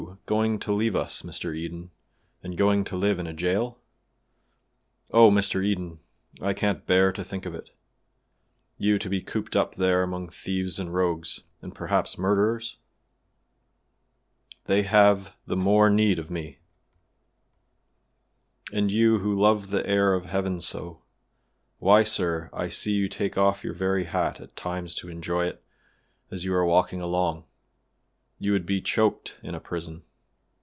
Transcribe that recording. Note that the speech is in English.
"You going to leave us, Mr. Eden, and going to live in a jail? Oh! Mr. Eden, I can't bear to think of it. You to be cooped up there among thieves and rogues, and perhaps murderers?" "They have the more need of me." "And you, who love the air of heaven so; why, sir, I see you take off your very hat at times to enjoy it as you are walking along; you would be choked in a prison.